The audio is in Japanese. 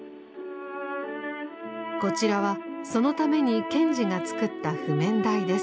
こちらはそのために賢治が作った譜面台です。